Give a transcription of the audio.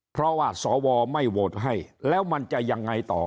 เพราะว่าสวไม่โหวตให้แล้วมันจะยังไงต่อ